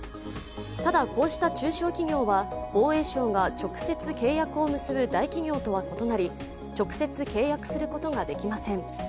ただ、こうした中小企業は防衛省が直接契約を結ぶ大企業とは異なり、直接契約することができません。